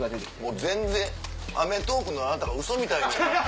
もう全然『アメトーーク！』のあなたがウソみたいに。